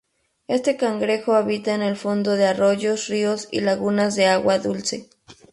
Este cangrejo habita en el fondo de arroyos, ríos y lagunas de agua dulce.